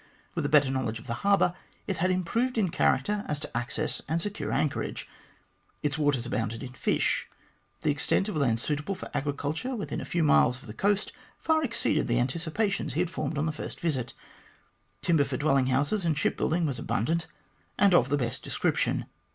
With a better knowledge of the harbour, it had improved in character as to access and secure anchorage. Its waters abounded in fish. The extent of land suitable for agriculture within a few miles of the coast far exceeded the anticipations he had formed on his first visit. Timber for dwelling houses and ship building was abundant and of the best description.